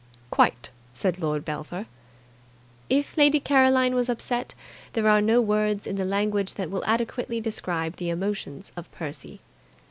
"Quite!" said Lord Belpher. If Lady Caroline was upset, there are no words in the language that will adequately describe the emotions of Percy.